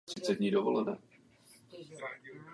Dnešní tok řeky je spíše umělým kanálem.